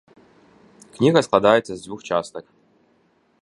Кніга складаецца з дзвюх частак.